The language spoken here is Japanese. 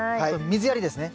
水やりですね。